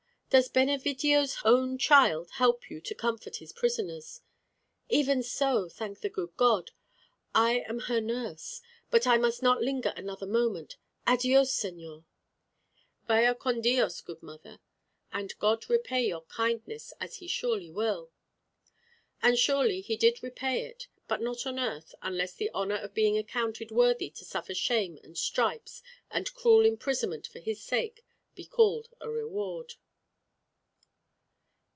Does Benevidio's own child help you to comfort his prisoners?" "Even so, thank the good God. I am her nurse. But I must not linger another moment. Adiõs, señor." "Vaya con Dios, good mother. And God repay your kindness, as he surely will." And surely he did repay it; but not on earth, unless the honour of being accounted worthy to suffer shame and stripes and cruel imprisonment for his sake be called a reward.